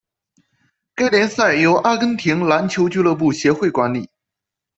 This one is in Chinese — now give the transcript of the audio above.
该联赛由阿根廷篮球俱乐部协会管理。